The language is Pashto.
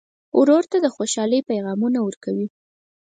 ورور ته د خوشحالۍ پیغامونه ورکوې.